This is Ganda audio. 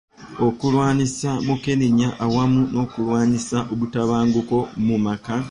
Okulwanyisa Mukenenya wamu n’okulwanyisa obutabanguko mu maka.